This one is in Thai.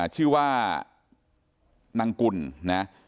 ชื่อว่านางกุลนะ